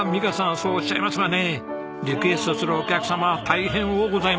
そうおっしゃいますがねリクエストするお客様は大変多うございましてね。